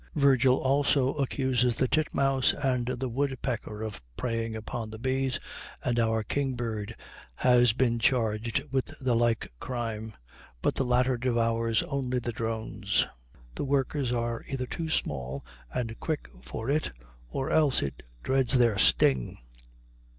Virgil also accuses the titmouse and the woodpecker of preying upon the bees, and our kingbird has been charged with the like crime, but the latter devours only the drones. The workers are either too small and quick for it or else it dreads their sting.